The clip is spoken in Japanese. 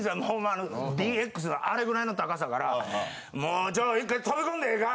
あのＤＸのあれぐらいの高さから「もうちょっと１回飛び込んでええか？」